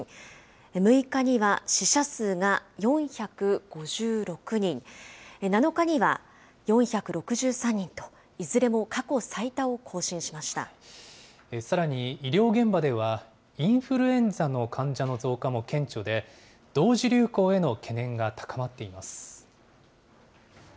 ６日には死者数が４５６人、７日には４６３人と、さらに医療現場では、インフルエンザの患者の増加も顕著で、同時流行への懸念が高まっています。